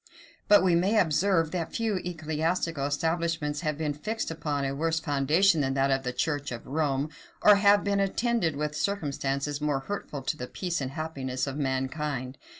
But we may observe, that few ecclesiastical establishments have been fixed upon a worse foundation than that of the church of Rome, or have been attended with circumstances more hurtful to the peace and happiness of mankind.